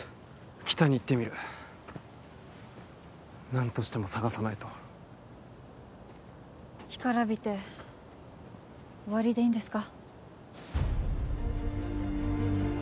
北に行ってみる何としても探さないと干からびて終わりでいいんですか？